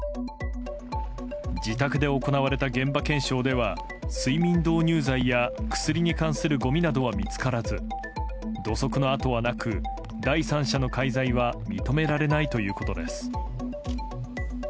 自宅で行われた現場検証では睡眠導入剤や薬に関するごみなどは見つからず土足の跡はなく、第三者の介在は認められないということです。